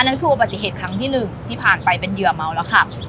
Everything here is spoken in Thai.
นั่นคืออุบัติเหตุครั้งที่หนึ่งที่ผ่านไปเป็นเหยื่อเมาแล้วขับ